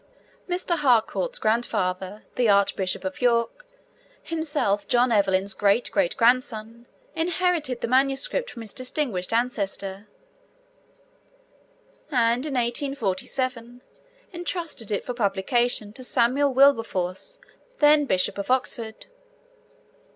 Mr. Harcourt's grandfather, the Archbishop of York, himself John Evelyn's great great grandson, inherited the manuscript from his distinguished ancestor, and in 1847 entrusted it for publication to Samuel Wilberforce, then Bishop of Oxford.